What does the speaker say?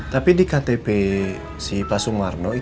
tapi di ktp si pak sumarno